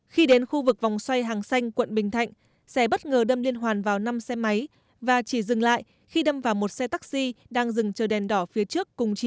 khi đến khu vực vòng xoay hàng xanh quận bình thạnh xe bất ngờ đâm liên hoàn vào năm xe máy và chỉ dừng lại khi đâm vào một xe taxi đang dừng chờ đèn đỏ phía trước cùng chiều